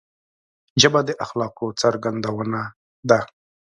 ژبه د اخلاقو څرګندونه ده